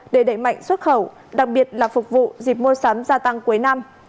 để đẩy mạnh xuất khẩu đặc biệt là phục vụ dịp mua sắm gia tăng cuối năm